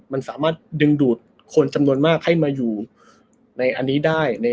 มันสามารถดึงดูดคนจำนวนมากให้มาอยู่ในอันนี้ได้